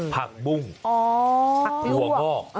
ผักบุ้งผักถั่วงอก